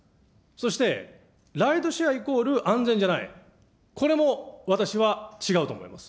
そしてライドシェアイコール安全じゃない、これも私は違うと思います。